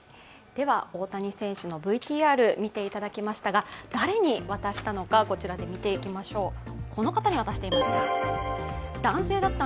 大谷選手のＶＴＲ、見ていただきましたが誰に渡していたのか、見ていきましょう。